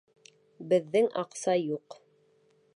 Беҙҙең аҡса юҡ!